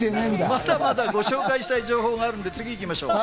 まだまだご紹介したい情報があるので、次に行きましょう。